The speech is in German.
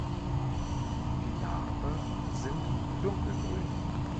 Die Narbe sind dunkelgrün.